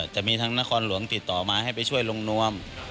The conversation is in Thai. จะมีทางนครหลวงติดต่อมาให้ไปช่วยลงนวม